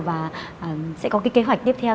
và sẽ có cái kế hoạch tiếp theo